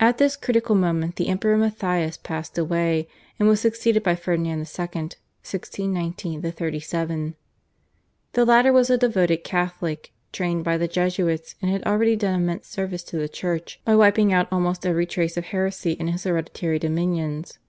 At this critical moment the Emperor Matthias passed away, and was succeeded by Ferdinand II. (1619 37). The latter was a devoted Catholic, trained by the Jesuits, and had already done immense service to the Church by wiping out almost every trace of heresy in his hereditary dominions.